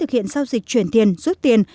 thực hiện giao dịch chuyển tiền rút tiền